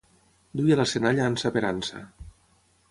Duia la senalla ansa per ansa.